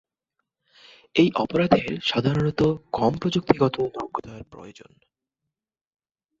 এই অপরাধের সাধারণত কম প্রযুক্তিগত দক্ষতার প্রয়োজন।